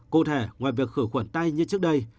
cụ thể ngoài việc khử khuẩn tay như trước đây